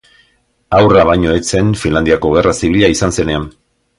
Haurra baino ez zen Finlandiako Gerra Zibila izan zenean.